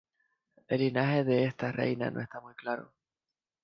El linaje de esta reina no está muy claro.